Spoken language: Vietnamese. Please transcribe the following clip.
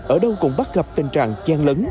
ở đâu cũng bắt gặp tình trạng gian lấn